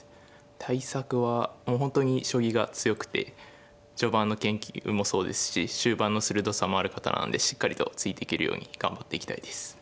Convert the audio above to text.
対策はもう本当に将棋が強くて序盤の研究もそうですし終盤の鋭さもある方なのでしっかりとついていけるように頑張っていきたいです。